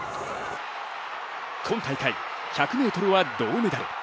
今大会、１００ｍは銅メダル。